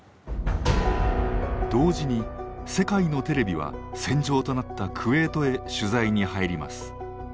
同時に世界のテレビは戦場となったクウェートへ取材に入ります。